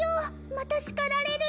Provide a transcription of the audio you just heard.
また叱られるよ。